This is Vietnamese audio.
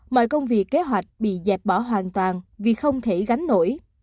mọi công việc kế hoạch bị dẹp bỏ hoàn toàn vì không thể gánh nổi